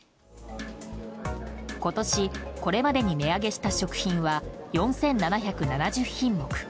今年これまでに値上げした食品は４７７０品目。